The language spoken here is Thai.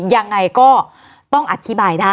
ยังไงก็ต้องอธิบายได้